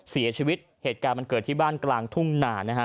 เสียชีวิตเหตุการณ์มันเกิดที่บ้านกลางทุ่งหนานะฮะ